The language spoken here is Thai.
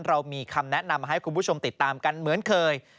เรามีคำแนะนำให้คุณผู้ชมติดตามกันเหมือนเคย